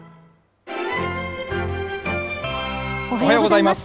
おはようございます。